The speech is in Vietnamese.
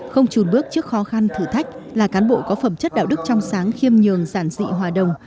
không trùn bước trước khó khăn thử thách là cán bộ có phẩm chất đạo đức trong sáng khiêm nhường giản dị hòa đồng